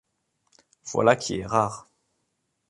Voilà qui est rare.